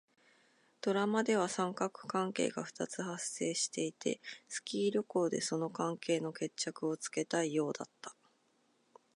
ドラマでは三角関係が二つ発生していて、スキー旅行でその関係の決着をつけたいようだった。